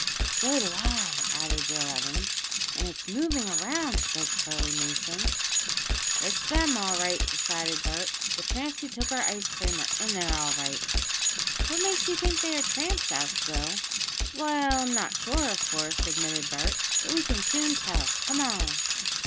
"So do I!" added Will Evans. "And it's moving around," spoke Charley Mason. "It's them, all right," decided Bert. "The tramps who took our ice cream are in there, all right!" "What makes you think they are tramps?" asked Will. "Well, I'm not sure, of course," admitted Bert. "But we can soon tell. Come on!"